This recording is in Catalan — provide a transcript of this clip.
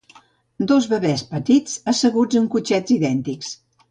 Dos bebès petits asseguts en cotxets idèntics.